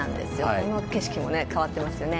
この景色も変わっていますよね。